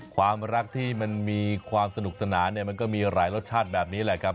ความรักที่มันมีความสนุกสนานเนี่ยมันก็มีหลายรสชาติแบบนี้แหละครับ